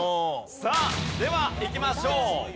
さあではいきましょう。